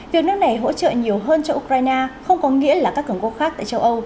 việc nước này hỗ trợ nhiều hơn cho ukraine không có nghĩa là các cường quốc khác tại châu âu